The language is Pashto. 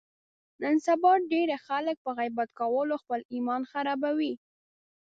نن سبا ډېری خلک په غیبت کولو خپل ایمان خرابوي.